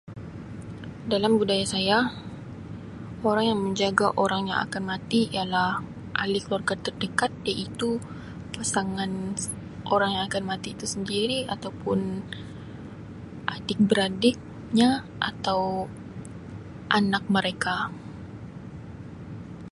Dalam budaya saya orang yang menjaga orang yang akan mati ialah ahli keluarga terdekat iaitu pasangan orang yang akan mati itu sendiri ataupun adik beradiknya atau anak mereka.